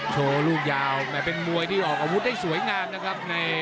โชว์ลูกยาวแต่เป็นมวยที่ออกอาวุธได้สวยงามนะครับ